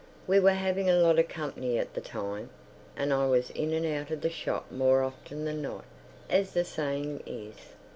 We were having a lot of company at the time, and I was in and out of the shop more often than not, as the saying is.